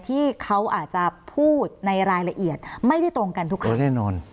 ที่เขาอาจจะพูดในรายละเอียดไม่ได้ตรงกันทุกครั้งแน่นอน